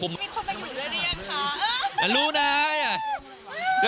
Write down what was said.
มีคนมาอยู่ได้ได้ยังคะ